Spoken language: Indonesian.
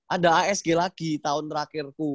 ada asg lagi tahun terakhirku